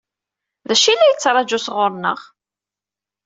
D acu i la yettṛaǧu sɣur-neɣ?